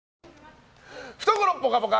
懐ぽかぽか！